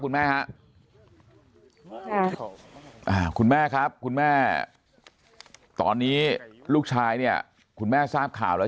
คุณแม่ฮะคุณแม่ครับคุณแม่ตอนนี้ลูกชายเนี่ยคุณแม่ทราบข่าวแล้ว